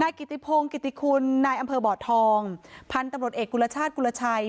กิติพงศ์กิติคุณนายอำเภอบ่อทองพันธุ์ตำรวจเอกกุลชาติกุลชัย